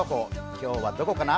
今日はどこかな。